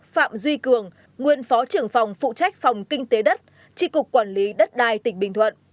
sáu phạm duy cường nguyên phó trưởng phòng phụ trách phòng kinh tế đất tri cục quản lý đất đai tỉnh bình thuận